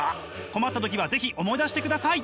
困った時は是非思い出してください！